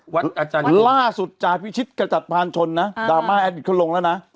สุจารณ์พิชชิตกระจัดพลันชนดรามาย์อัดอิทดิจะลงแล้วนะ